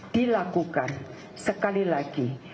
dilakukan sekali lagi